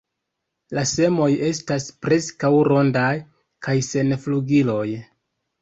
La semoj estas preskaŭ rondaj kaj sen flugiloj.